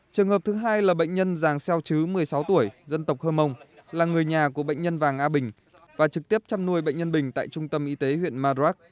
trường hợp thứ hai là bệnh nhân giàng xeo chứ một mươi sáu tuổi dân tộc hơ mông là người nhà của bệnh nhân vàng nga bình và trực tiếp chăm nuôi bệnh nhân bình tại trung tâm y tế huyện madurak